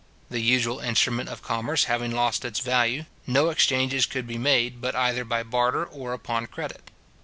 The usual instrument of commerce having lost its value, no exchanges could be made but either by barter or upon credit.